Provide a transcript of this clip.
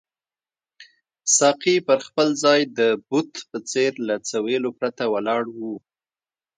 ساقي پر خپل ځای د بت په څېر له څه ویلو پرته ولاړ وو.